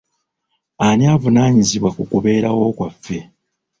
Ani avunaanyizibwa ku kubeerawo kwaffe?